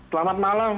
selamat malam fanny